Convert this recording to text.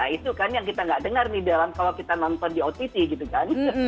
itu kan yang kita nggak dengar nih dalam kalau kita nonton di ott gitu kan